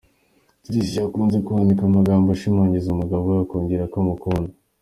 Tricia akunze kwandika amagambo ashimagiza umugabo we akongeraho ko ‘amukunda’.